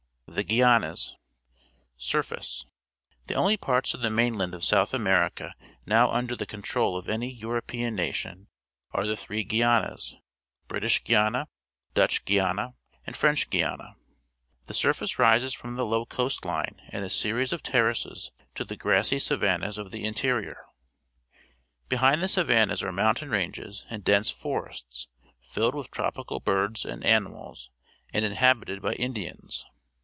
THE GUI ANAS Surface. — The only parts of the mainland of South America now under the control of any European nation are the three Guianas — British Qidana, Dutch Guiana, and French Guiana. The surface rises from the low coast Une in a series of terraces to the gras.sy savannas of the interior. Behind the savannas are mountain ranges and dense forests filled with tropical birds and animals and inhabited by Indians.